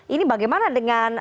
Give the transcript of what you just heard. ini bagaimana dengan